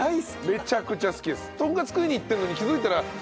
めちゃくちゃ好きです。